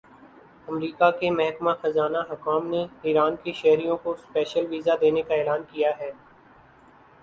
امریکا کے محکمہ خزانہ حکام نے ایران کے شہریوں کو سپیشل ویزا دینے کا اعلان کیا ہے